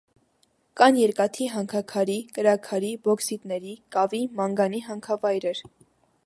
Կան երկաթի հանքաքարի, կրաքարի, բոքսիտների, կավի, մանգանի հանքավայրեր։